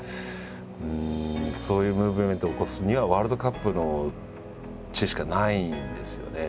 そういうムーブメントを起こすにはワールドカップの地しかないんですよね。